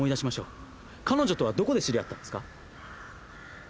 彼女とはどこで知り合ったんですか？